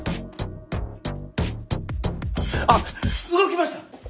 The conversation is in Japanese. あっ動きました！